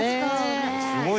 すごいね。